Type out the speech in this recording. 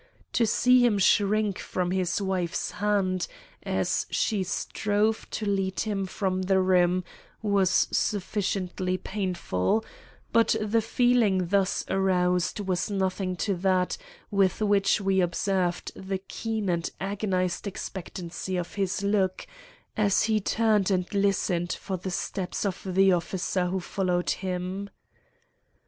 To see him shrink from his wife's hand as she strove to lead him from the room was sufficiently painful; but the feeling thus aroused was nothing to that with which we observed the keen and agonized expectancy of his look as he turned and listened for the steps of the officer who followed him.